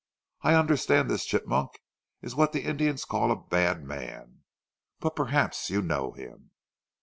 I understand this Chigmok is what the Indians call a bad man but perhaps you know him?"